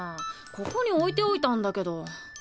ここに置いておいたんだけど。